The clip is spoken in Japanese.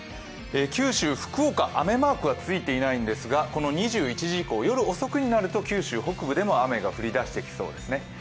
九州、福岡、雨マークがついていないんですが２１時以降、夜遅くになると九州北部でも雨が降り出してきそうですね。